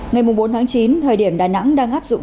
ngày bốn tháng chín thời điểm đà nẵng đang áp dụng